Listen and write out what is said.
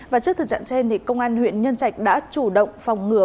và trước thực trạng trên công an huyện nhân trạch đã chủ động phòng ngừa